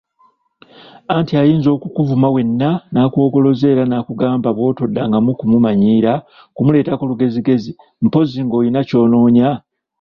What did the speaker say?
Anti ayinza okukuvuma wenna nakwogoloza era nakugambanga bw'otaddangayo kumumanyiira, kumuleetako lugezigezi, mpozzi ng'olina ky'onoonya?